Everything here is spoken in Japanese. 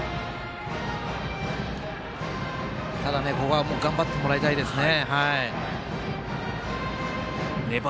ただね、ここは頑張ってもらいたいですね。